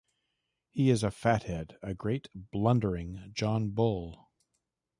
He is a fathead—a great blundering John Bull.